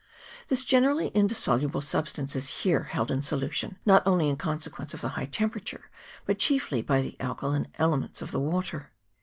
This generally indis soluble substance is here held in solution, not only in consequence of the high temperature, but chiefly by the alkaline elements of the water.